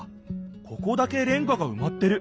ここだけレンガがうまってる。